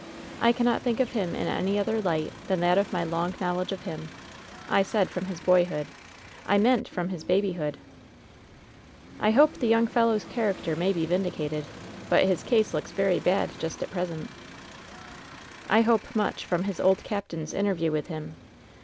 I cannot think of him in any other light than that of my long knowledge of him — I said from his boyhood. I meant from his babyhood." WHEN SHADOWS DIE 86 "I hope the young fellow's character may be vindi cated. But his case looks very bad just at present/' "I hope much from his old captain's interview with him.